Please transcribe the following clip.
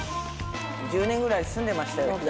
１０年くらい住んでましたよ